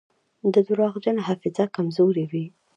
د درواغجن حافظه کمزورې وي.